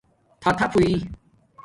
تھاتھپ ہوئئ